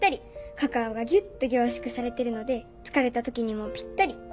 カカオがギュっと凝縮されてるので疲れた時にもピッタリ。